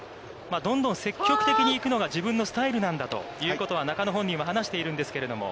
どんどん積極的に行くのが自分のスタイルなんだということは中野本人は話しているんですけれども。